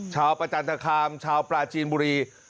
ชาวประชันตราคารชาวปลาจีนบุรี